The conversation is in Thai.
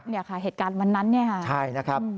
เห็นค่ะเหตุการณ์วันนั้นเนี่ยค่ะ